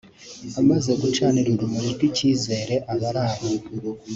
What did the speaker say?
Amaze gucanira urumuri rw’icyizere abari aho